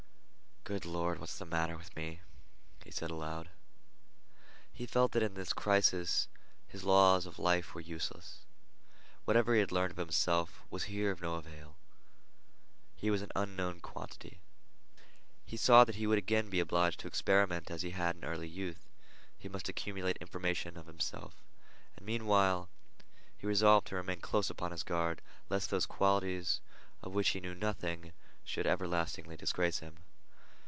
"Good Lord, what's th' matter with me?" he said aloud. He felt that in this crisis his laws of life were useless. Whatever he had learned of himself was here of no avail. He was an unknown quantity. He saw that he would again be obliged to experiment as he had in early youth. He must accumulate information of himself, and meanwhile he resolved to remain close upon his guard lest those qualities of which he knew nothing should everlastingly disgrace him.